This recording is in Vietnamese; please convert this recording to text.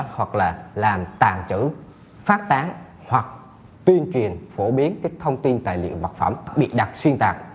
hoặc là làm tàn trữ phát tán hoặc tuyên truyền phổ biến cái thông tin tài liệu vật phẩm bị đặt xuyên tạc